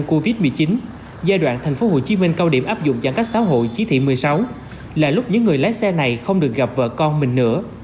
chính minh cao điểm áp dụng giãn cách xã hội chí thị một mươi sáu là lúc những người lái xe này không được gặp vợ con mình nữa